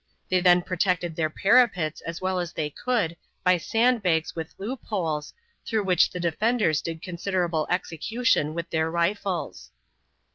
They then protected their parapets as well as they could by sand bags with loop holes, through which the defenders did considerable execution with their rifles.